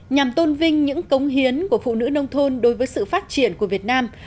nhằm tôn vinh những cống hiến của phụ nữ nông thôn đối với sự phát triển của việt nam